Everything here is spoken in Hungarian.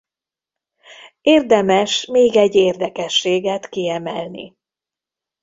Érdemes még egy érdekességet kiemelni.